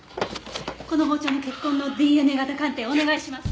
この包丁の血痕のＤＮＡ型鑑定をお願いします！